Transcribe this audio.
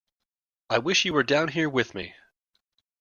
I wish you were down here with me!